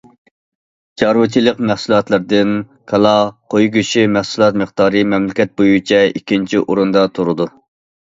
چارۋىچىلىق مەھسۇلاتلىرىدىن كالا، قوي گۆشى مەھسۇلات مىقدارى مەملىكەت بويىچە ئىككىنچى ئورۇندا تۇرىدۇ.